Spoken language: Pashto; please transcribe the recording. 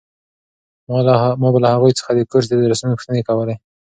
ما به له هغوی څخه د کورس د درسونو پوښتنې کولې.